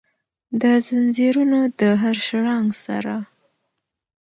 دځنځیرونو د هرشرنګ سره،